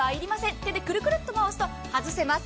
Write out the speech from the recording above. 手でくるくると回すと外せます。